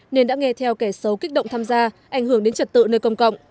nên đã nghe theo kẻ xấu kích động tham gia ảnh hưởng đến trật tự nơi công cộng